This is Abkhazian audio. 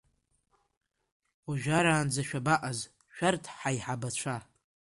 Ожараанӡа шәабаҟаз, шәарҭ ҳаиҳабацәа?